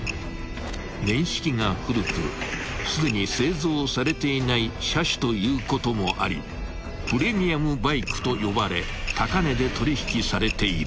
［年式が古くすでに製造されていない車種ということもありプレミアムバイクと呼ばれ高値で取引されている］